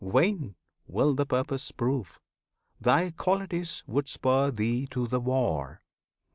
Vain will the purpose prove! thy qualities Would spur thee to the war.